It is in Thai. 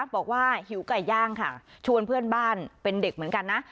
หิวไก่ย่างค่ะชวนเพื่อนบ้านเป็นเด็กเหมือนกันนะ